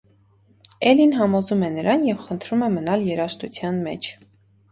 Էլին համոզում է նրան և խնդրում է մնալ երաժշտության մեջ։